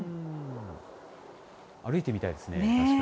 歩いてみたいですね、確かに。